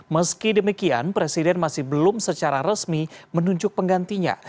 meski demikian presiden masih belum secara resmi menunjuk penggantinya